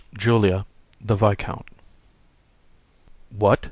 JULIA, THE VISCOUNT. VISC. What!